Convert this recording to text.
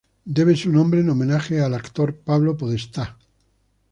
Debe su nombre en homenaje al actor Pablo Podestá.